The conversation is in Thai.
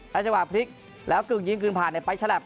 ราชวาภิกษ์แล้วกึ่งยิงกึ่งผ่านในไปชะแหลบ